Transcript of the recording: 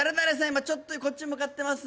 今ちょっとこっち向かってます」